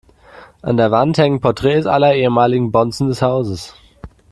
An der Wand hängen Porträts aller ehemaligen Bonzen des Hauses.